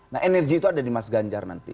nah energi itu ada di mas ganjar nanti